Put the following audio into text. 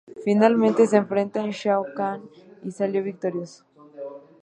Finalmente se enfrenta a Shao Kahn y salió victorioso.